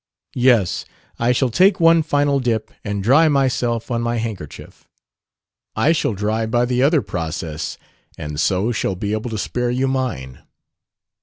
Yes, I shall take one final dip and dry myself on my handkerchief." "I shall dry by the other process, and so shall be able to spare you mine."